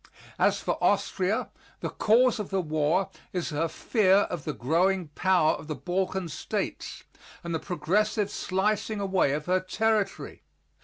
As for Austria, the cause of the war is her fear of the growing power of the Balkan States, and the progressive slicing away of her territory.